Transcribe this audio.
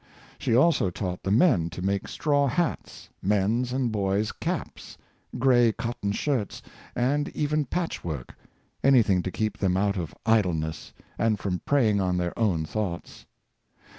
She also taught the men to make straw hats, men's and boys' caps, gray cotton shirts, and even patchwork, anything to keep them out of idle ness, and from preying on their own thoughts.